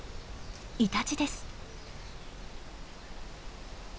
イタチです。